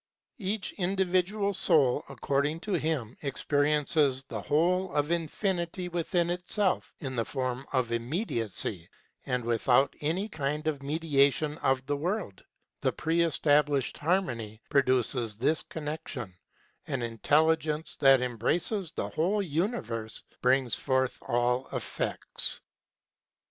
Each individual soul, according to him, experiences the whole of Infinity within itself in the form of immediacy and without any kind of mediation of the world; the " pre established harmony " produces this connection; an Intelligence that embraces the whole universe brings forth all effects.